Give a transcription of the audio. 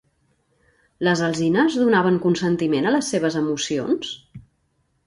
Les alzines donaven consentiment a les seves emocions?